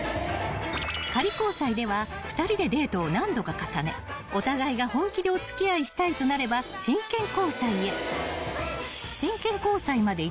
［仮交際では２人でデートを何度か重ねお互いが本気でお付き合いしたいとなれば真剣交際へ］